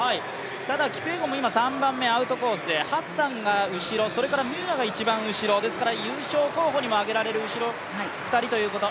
ただ、キピエゴンも３番目、アウトコースハッサンが後ろ、それからミューアが一番後ろ、ですから優勝候補にも挙げられる２人ということ。